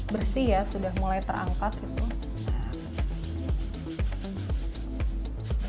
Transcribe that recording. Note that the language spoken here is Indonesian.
bersih ya sudah mulai terangkat gitu